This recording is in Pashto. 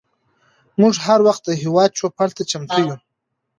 موږ هر وخت د هیواد چوپړ ته چمتو یوو.